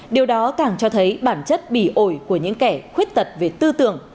điều đó càng cho thấy bản chất bị ổi của những kẻ khuyết tật về tư tưởng